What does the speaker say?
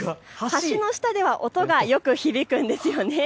橋の下では音がよく響くんです。